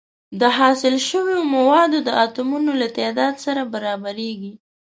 د حاصل شوو موادو د اتومونو له تعداد سره برابریږي.